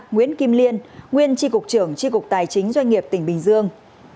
nguyễn kim liên nguyên tri cục trưởng tri cục tài chính doanh nghiệp tỉnh bình dương